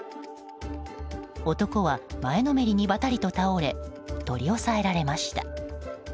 男は前のめりにバタリと倒れ取り押さえられました。